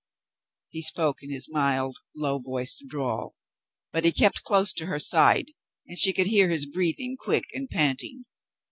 ? He spoke in his mild, low voiced drawl, but he kept close to her side, and she could hear his breathing, quick and panting.